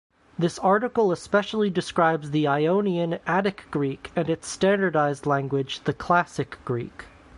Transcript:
This article especially describes the Ionian, Attic Greek and its standardized language, the classic Greek.